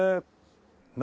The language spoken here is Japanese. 何？